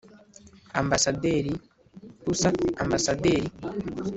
ambasaderi puser ambasaderi